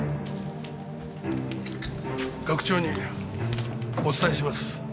学長にお伝えします。